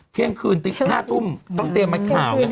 เที่ยงคืนติ๊ก๕ทุ่มต้องเตรียมให้ข่าว